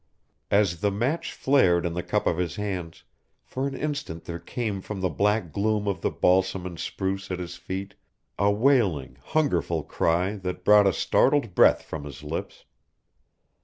As the match flared in the cup of his hands for an instant there came from the black gloom of the balsam and spruce at his feet a wailing, hungerful cry that brought a startled breath from his lips.